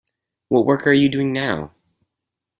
What work are you doing now?